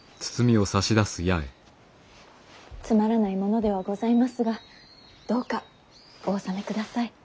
つまらないものではございますがどうかお納めください。